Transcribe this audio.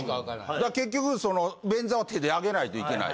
結局その便座は手で上げないといけない。